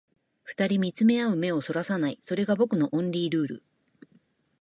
二人見つめ合う目を逸らさない、それが僕のオンリールール